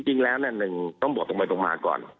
จริงแล้วเนี่ยหนึ่งต้องบอกตรงไปมาก่อน